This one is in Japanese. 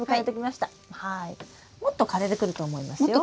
もっと枯れてくると思いますよ。